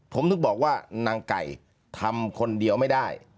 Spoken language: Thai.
ผมถึงบอกว่านางไก่ทำคนเดียวไม่ได้